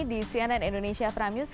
di cnn indonesia prime news